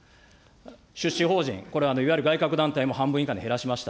出資法人、これは外郭団体も半分以下に減らしました。